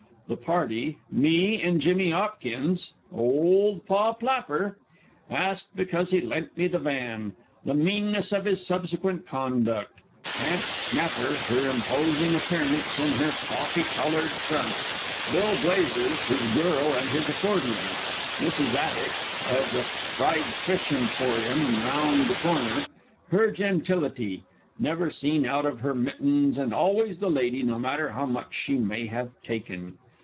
The party: "Me and_ Jimmy 'Opkins;" old "Pa Plapper." Asked because he lent the van. The meanness of his subsequent conduct. "Aunt Snapper;" her imposing appearance in her "cawfy coloured front." Bill Blazer; his "girl," and his accordion. Mrs. Addick _(of the fried fish emporium round the corner); her gentility "Never seen out of her mittens, and always the lady, no matter how much she may have taken."